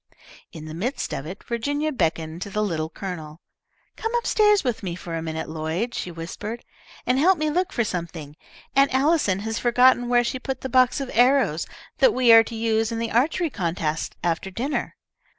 In the midst of it Virginia beckoned to the Little Colonel. "Come up stairs with me for a minute, Lloyd," she whispered, "and help me look for something. Aunt Allison has forgotten where she put the box of arrows that we are to use in the archery contest after dinner.